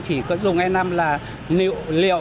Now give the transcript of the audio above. chỉ có dùng e năm là liệu